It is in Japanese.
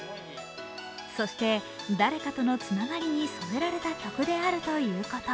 そして誰かとのつながりに添えられた曲であるということ。